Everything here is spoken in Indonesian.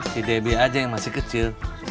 si db aja yang masih kecil